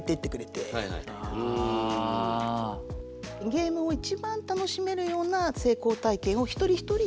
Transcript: ゲームを一番楽しめるような成功体験を一人一人にフォーカスしてる。